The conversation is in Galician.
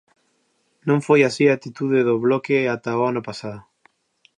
Non foi así a actitude do Bloque ata o ano pasado.